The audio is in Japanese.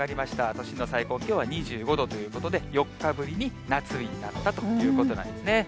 都心の最高気温は２５度ということで、４日ぶりに夏日になったということなんですね。